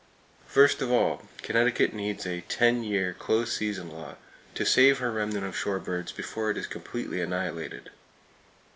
First of all, Connecticut needs a ten year close season law to save her remnant of shore birds before it is completely annihilated.